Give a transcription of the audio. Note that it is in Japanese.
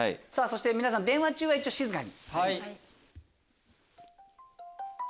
皆さん電話中は一応静かに。